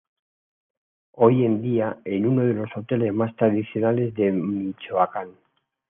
Hoy en día en uno de los hoteles más tradicionales de Michoacán.